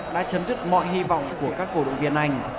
đã chấm dứt mọi hy vọng của các cổ động viên anh